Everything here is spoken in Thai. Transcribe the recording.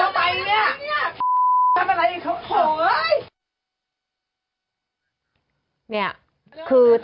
มึงทำอย่างงี้สิมันไม่ดีของเราเสีย